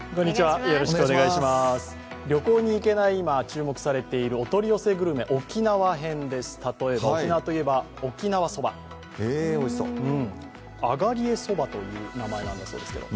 旅行に行けない今、注目されている、お取り寄せグルメ沖縄編です、例えば沖縄といえば沖縄そば、東江そばという名前なんだそうですけれども。